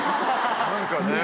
何かね。